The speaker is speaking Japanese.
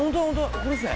ここですね